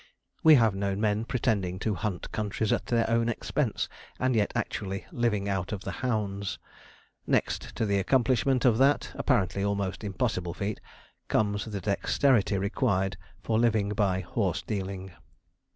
We have known men pretending to hunt countries at their own expense, and yet actually 'living out of the hounds.' Next to the accomplishment of that apparently almost impossible feat comes the dexterity required for living by horse dealing.